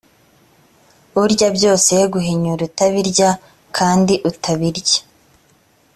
urya byose ye guhinyura utabirya kandi utabirya